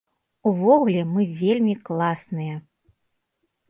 Увогуле, мы вельмі класныя!